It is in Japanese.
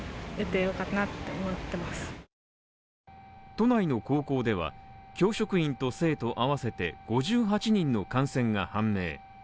都内の高校では教職員と生徒合わせて５８人の感染が判明。